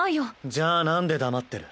じゃあなんで黙ってる？